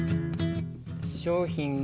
商品が。